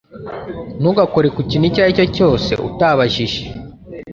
Ntugakore ku kintu icyo ari cyo cyose utabajije